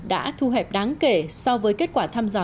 đã thu hẹp đáng kể so với kết quả thăm dò